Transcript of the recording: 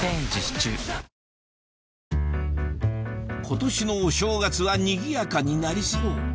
「今年のお正月はにぎやかになりそう」